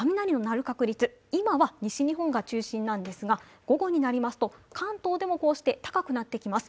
今は西日本が中心なんですが午後になると関東が中心になってきます。